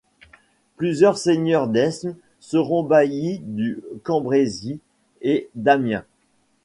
Plusieurs seigneurs d'Esnes seront baillis du Cambrésis et d'Amiens.